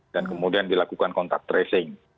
dan kemudian dilakukan kontak tracing